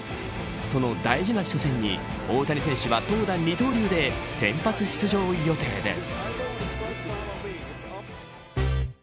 その大事な初戦に大谷選手は投打二刀流で先発出場予定です。